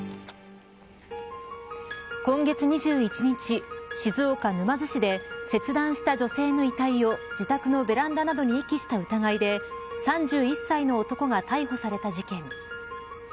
今月２１日静岡、沼津市で切断した女性の遺体を自宅のベランダなどに遺棄した疑いで３１歳の男が逮捕された事件。